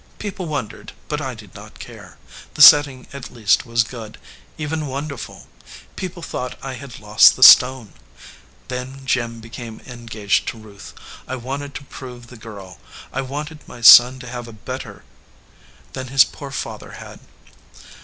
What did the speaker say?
People wondered, but I did not care. The setting at least was good, even wonderful. People thought I had lost the stone. Then Jim became engaged to Ruth. I wanted to prove the girl. I wanted my son to have a better than his poor father had.